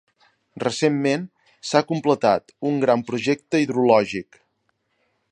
Recentment, s"ha completat un gran projecte hidrològic.